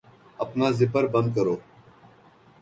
اپنا زپر بند کرو